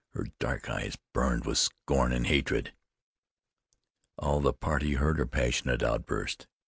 Her dark eyes burned with scorn and hatred. All the party heard her passionate outburst.